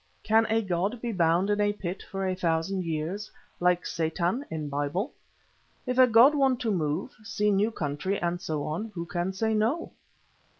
Can a god be bound in a pit for a thousand years, like Satan in Bible? If a god want to move, see new country and so on, who can say no?"